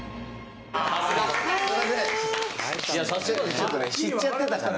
ちょっと知っちゃってたからね。